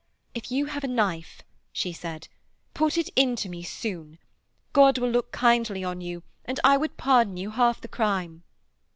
'If you have a knife,' she said, 'put it into me soon. God will look kindly on you and I would pardon you half the crime.'